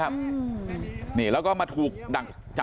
สุดท้ายเนี่ยขี่รถหน้าที่ก็ไม่ยอมหยุดนะฮะ